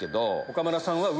岡村さんは上。